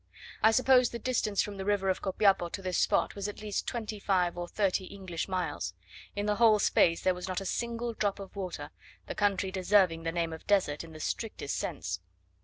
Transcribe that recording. I suppose the distance from the river of Copiapo to this spot was at least twenty five or thirty English miles; in the whole space there was not a single drop of water, the country deserving the name of desert in the strictest sense.